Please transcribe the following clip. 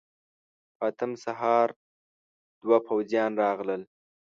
په اتم سهار دوه پوځيان راغلل.